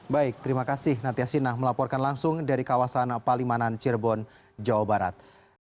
baik terima kasih natya sinah melaporkan langsung dari kawasan palimanan cirebon jawa barat